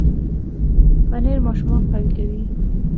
پنېر ماشومان قوي کوي.